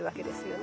ね